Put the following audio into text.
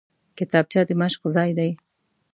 کتابچه د مشق ځای دی